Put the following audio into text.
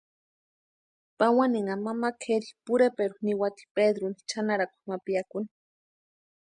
Pawaninha mama kʼeri Pureperu niwati Pedruni chʼanarakwa ma piakuni.